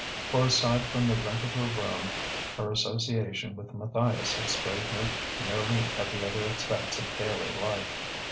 (For aside from the rent of her room, her association with Matthias had spared her nearly every other expense of daily life.)